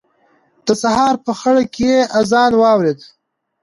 د سهار په خړه کې يې اذان واورېد.